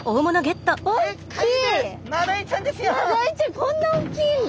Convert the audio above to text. こんな大きいんだ。